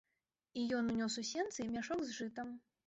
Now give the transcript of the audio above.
І ён унёс у сенцы мяшок з жытам.